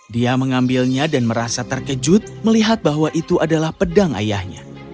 dia mengambilnya dan merasa terkejut melihat bahwa itu adalah pedang ayahnya